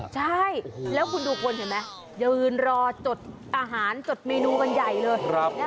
ใช่แล้วคุณดูคนเห็นไหมยืนรอจดอาหารจดเมนูกันใหญ่เลย